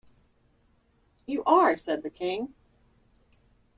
‘You are,’ said the King.